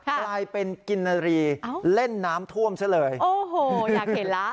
กลายเป็นกินนารีเล่นน้ำท่วมซะเลยโอ้โหอยากเห็นแล้ว